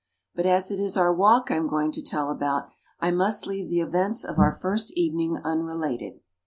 But as it is our walk I'm going to tell about, I must leave the events of our first evening unrelated.